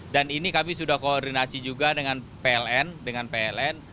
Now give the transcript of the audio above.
dan ini kami sudah koordinasi juga dengan pln